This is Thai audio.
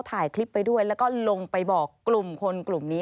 ถ่ายคลิปไปด้วยแล้วก็ลงไปบอกกลุ่มคนกลุ่มนี้